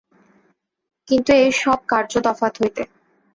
কিন্তু এ সব কার্য তফাৎ হইতে।